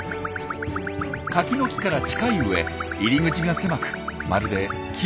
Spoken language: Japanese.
カキの木から近いうえ入り口が狭くまるで木の「うろ」のよう。